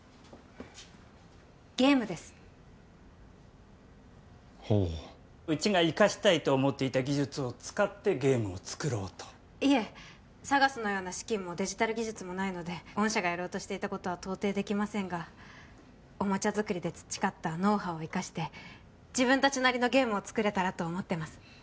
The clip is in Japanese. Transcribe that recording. ゲームですほううちが生かしたいと思っていた技術を使ってゲームを作ろうといえＳＡＧＡＳのような資金もデジタル技術もないので御社がやろうとしていたことは到底できませんがおもちゃ作りで培ったノウハウを生かして自分達なりのゲームを作れたらと思ってます